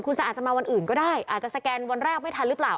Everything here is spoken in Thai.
คุณสะอาจจะมาวันอื่นก็ได้อาจจะสแกนวันแรกไม่ทันหรือเปล่า